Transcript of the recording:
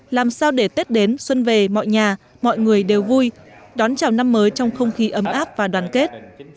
làm sao để tết đến xuân về mọi nhà mọi người đều vui đón chào năm mới trong không khí ấm áp và đoàn kết